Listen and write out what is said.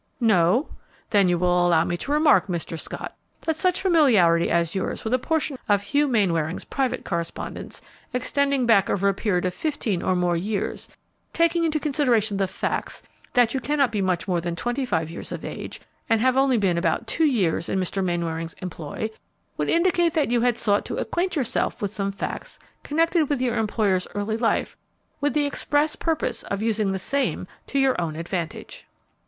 "No? Then you will allow me to remark, Mr. Scott, that such familiarity as yours with a portion of Hugh Mainwaring's private correspondence, extending back over a period of fifteen or more years, taking into consideration the facts that you cannot be much more than twenty five years of age, and have only been about two years in Mr. Mainwaring's employ, would indicate that you had sought to acquaint yourself with some facts connected with your employer's early life with the express purpose of using the same to your own advantage."